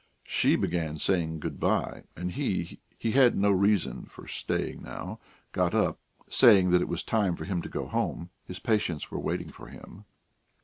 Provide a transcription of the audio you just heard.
She began saying good bye, and he he had no reason for staying now got up, saying that it was time for him to go home; his patients were waiting for him.